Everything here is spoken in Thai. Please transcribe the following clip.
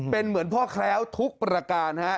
เป็นเหมือนพ่อแคล้วทุกประการฮะ